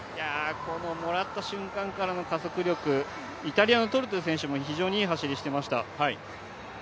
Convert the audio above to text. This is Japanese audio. このもらった瞬間からの加速力、イタリアのトルトゥ選手も非常にいい走りをしていました。